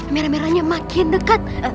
mera meranya makin dekat